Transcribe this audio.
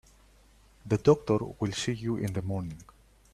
The doctor will see you in the morning.